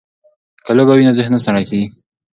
که لوبه وي نو ذهن نه ستړی کیږي.